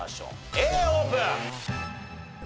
Ａオープン！